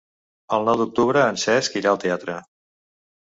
El nou d'octubre en Cesc irà al teatre.